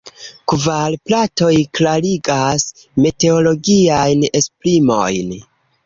Kvar platoj klarigas meteologiajn esprimojn.